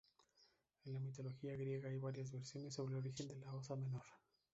En la mitología griega, hay varias versiones sobre el origen de la Osa Menor.